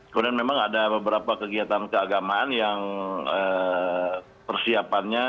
kemudian memang ada beberapa kegiatan keagamaan yang persiapannya